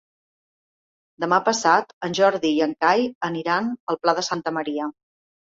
Demà passat en Jordi i en Cai aniran al Pla de Santa Maria.